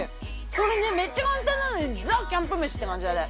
これねめっちゃ簡単なのにザキャンプ飯って感じだね。